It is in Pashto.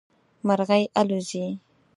مرغی الوزي